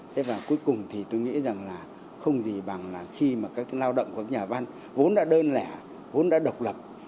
thế và cuối cùng thì tôi nghĩ rằng là không gì bằng là khi mà các cái lao động của các nhà văn vốn đã đơn lẻ vốn đã độc lập